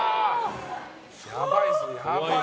やばいですね。